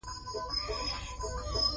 دوی به ټولې تیارې هوارې کړې وي.